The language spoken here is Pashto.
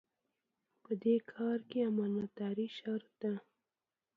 په کار کې امانتداري شرط ده.